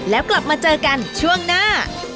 แล้วกลับมาเจอกันช่วงหน้า